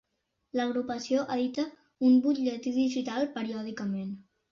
L'Agrupació edita un butlletí digital periòdicament.